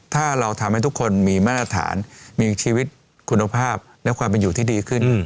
ถ้าเราทำให้ทุกคนมีมาตรฐานมีชีวิตคุณภาพและความเป็นอยู่ที่ดีขึ้น